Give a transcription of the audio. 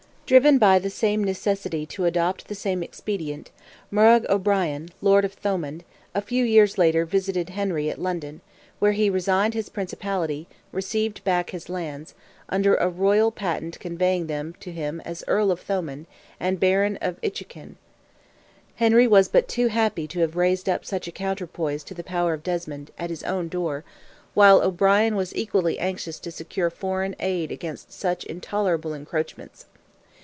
Driven by the same necessity to adopt the same expedient, Murrogh O'Brien, lord of Thomond, a few years later visited Henry at London, where he resigned his principality, received back his lands, under a royal patent conveying them to him as "Earl of Thomond, and Baron of Inchiquin." Henry was but too happy to have raised up such a counterpoise to the power of Desmond, at his own door, while O'Brien was equally anxious to secure foreign aid against such intolerable encroachments.